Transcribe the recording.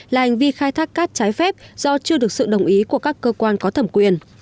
là hành vi khai thác cát trái phép do chưa được sự đồng ý của các cơ quan có thẩm quyền